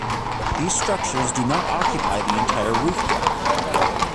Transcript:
These structures do not occupy the entire roof deck.